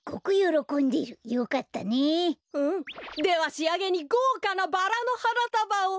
ではしあげにごうかなバラのはなたばを！